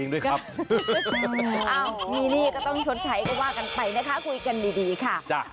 คุยกันดีค่ะ